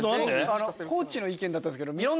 地の意見だったんですけど。